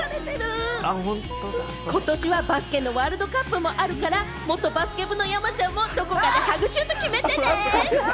ことしはバスケのワールドカップもあるから、元バスケ部の山ちゃんもどこかでハグシュートを決めてね！